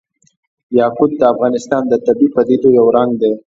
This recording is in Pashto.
یاقوت د افغانستان د طبیعي پدیدو یو رنګ دی.